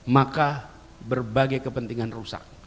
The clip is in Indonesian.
maka berbagai kepentingan rusak